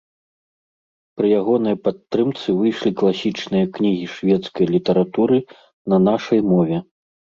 Пры ягонай падтрымцы выйшлі класічныя кнігі шведскай літаратуры на нашай мове.